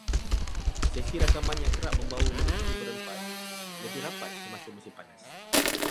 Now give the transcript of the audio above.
Sesi rakaman yang kerap membawa mereka berempat lebih rapat semasa musim panas